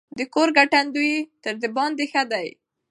د کور ګټندويه تر دباندي ښه دی.